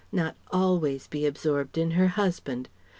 Not always be absorbed in her husband.